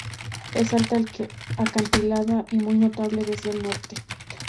Es alta, acantilada y muy notable desde el norte.